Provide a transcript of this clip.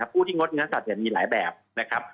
ผู้ที่งดเนื้อสัตว์มีหลายแบบนะครับ